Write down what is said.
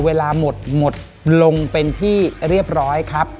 เวลาหมดหมดลงเป็นที่เรียบร้อยครับ